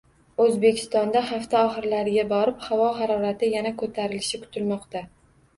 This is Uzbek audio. O‘zbekistonda hafta oxirlariga borib havo harorati yana ko‘tarilishi kutilmoqda